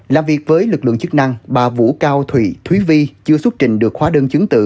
làm việc với lực lượng chức năng bà vũ cao thụy thúy vi chưa xuất trình được khóa đơn chứng tử